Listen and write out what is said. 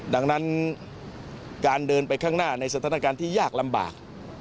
ดังนั้นการเดินไปข้างหน้าในสถานการณ์ที่ยากลำบาก